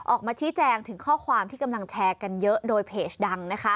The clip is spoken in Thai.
ออกมาชี้แจงถึงข้อความที่กำลังแชร์กันเยอะโดยเพจดังนะคะ